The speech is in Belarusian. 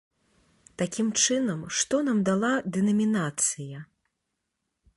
Такім чынам, што нам дала дэнамінацыя?